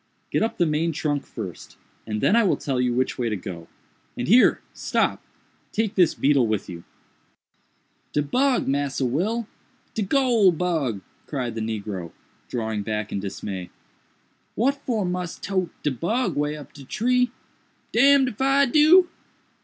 "Get up the main trunk first, and then I will tell you which way to go—and here—stop! take this beetle with you." "De bug, Massa Will!—de goole bug!" cried the negro, drawing back in dismay—"what for mus tote de bug way up de tree?—d—n if I do!"